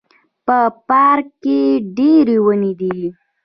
په پارک کې ډیري وني دي